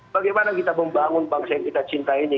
bagaimana kita membangun bangsa yang kita cintai ini